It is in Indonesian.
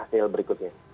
ngetes hasil berikutnya